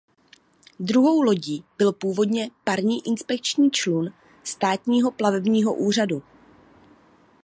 Druhou lodí byl původně parní inspekční člun Státního plavebního úřadu.